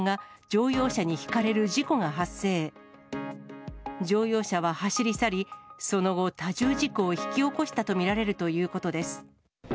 乗用車は走り去り、その後、多重事故を引き起こしたと見られるということです。